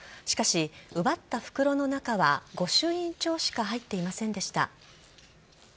しかし、奪った袋の中は御朱印帳しか入っていませんでした。